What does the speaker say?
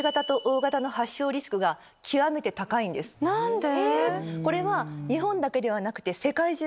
何で？